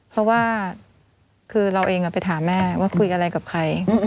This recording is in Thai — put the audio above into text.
เพราะว่าคือเราเองไปถามแม่ว่าคุยอะไรกับใคร